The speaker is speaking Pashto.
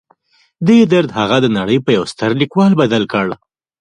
دې درد هغه د نړۍ پر یوه ستر لیکوال بدل کړ